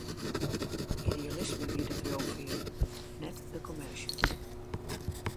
Idealisme wie de driuwfear, net de kommersje.